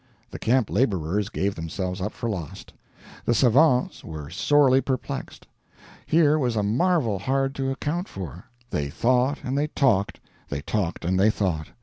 The camp laborers gave themselves up for lost. The savants were sorely perplexed. Here was a marvel hard to account for. They thought and they talked, they talked and they thought.